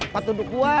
apa duduk gua